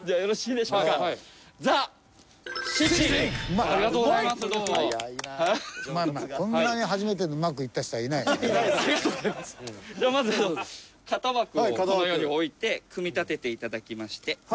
ではまず型枠をこのように置いて組み立てて頂きまして。